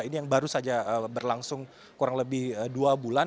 ini yang baru saja berlangsung kurang lebih dua bulan